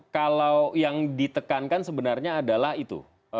kalau yang ditekankan sebenarnya adalah itu